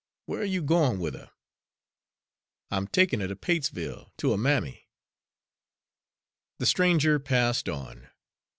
"Where are you goin' with her?" "I'm takin' her ter Patesville, ter her mammy." The stranger passed on.